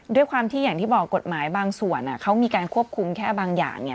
ด้วยความที่อย่างที่บอกกฎหมายบางส่วนเขามีการควบคุมแค่บางอย่างเนี่ย